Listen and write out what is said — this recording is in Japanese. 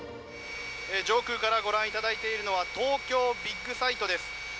上空からご覧いただいているのは東京ビッグサイトです。